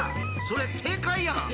それ正解やん！